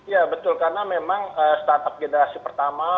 ya betul karena memang startup generasi pertama